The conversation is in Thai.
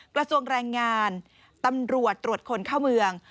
กระทรวงแรงงานตำรวจตรวจคนเข้าเมือง